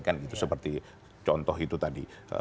kan itu seperti contoh itu tadi